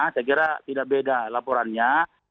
saya kira tidak beda laporannya